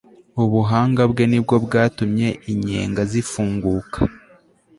ubuhanga bwe ni bwo bwatumye inyenga zifunguka